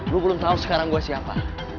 lo belum tau sekarang gue siapa